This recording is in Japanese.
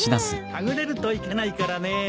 はぐれるといけないからね。